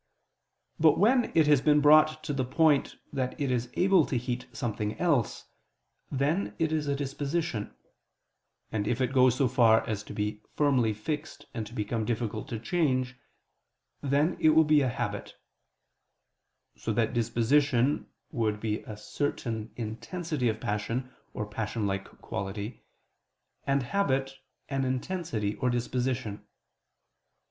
But when it has been brought to the point that it is able to heat something else, then it is a disposition; and if it goes so far as to be firmly fixed and to become difficult to change, then it will be a habit: so that disposition would be a certain intensity of passion or passion like quality, and habit an intensity or disposition.